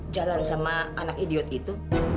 jalan sama anak idiot itu